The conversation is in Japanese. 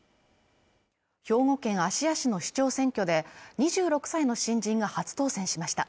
兵庫県芦屋市の市長選挙で２６歳の新人が初当選しました。